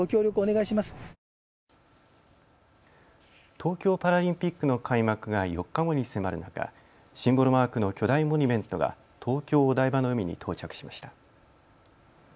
東京パラリンピックの開幕が４日後に迫る中、シンボルマークの巨大モニュメントが東京お台場の海に到着しました。